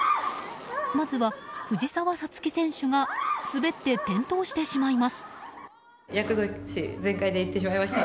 まずは藤澤五月選手が滑って転倒してしまいます。